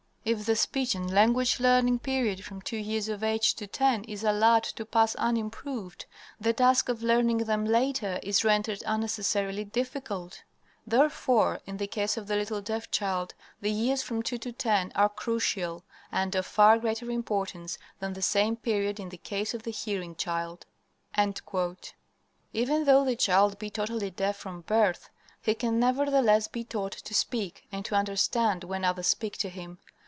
"If the speech and language learning period, from two years of age to ten, is allowed to pass unimproved, the task of learning them later is rendered unnecessarily difficult. "Therefore, in the case of the little deaf child, the years from two to ten are crucial, and of far greater importance than the same period in the case of the hearing child." Even though the child be totally deaf from birth, he can nevertheless be taught to speak and to understand when others speak to him.